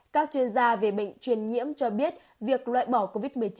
các chuyên gia về bệnh truyền nhiễm cho biết việc loại bỏ covid một mươi chín